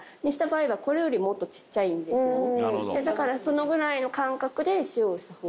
だからそのぐらいの感覚で塩をした方が。